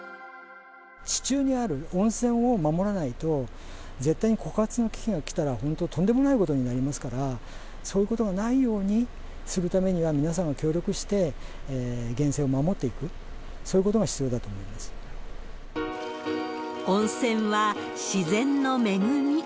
地中にある温泉を守らないと、絶対に枯渇の危機が来たら、本当とんでもないことになりますから、そういうことがないようにするためには、皆さんが協力して源泉を守っていく、温泉は自然の恵み。